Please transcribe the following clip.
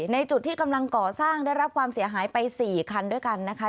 ในจุดที่กำลังก่อสร้างได้รับความเสียหายไป๔คันด้วยกันนะคะ